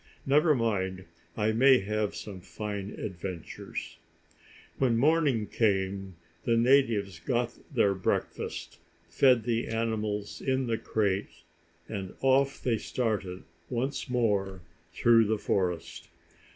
"Never mind, I may have some fine adventures." When morning came, the natives got their breakfast, fed the animals in the crates, and off they started once more through the forest.